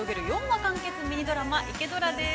４話完結ミニドラマ、「イケドラ」です。